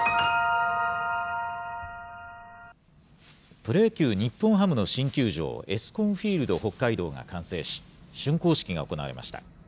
プロ野球・日本ハムの新球場、エスコンフィールド北海道が完成し、しゅんこう式が行われました。